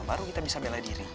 baru kita bisa bela diri